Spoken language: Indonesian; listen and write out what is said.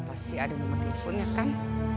pasti ada di makifunnya kan